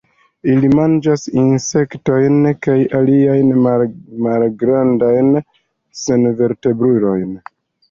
Ili manĝas insektojn kaj aliajn malgrandajn senvertebrulojn.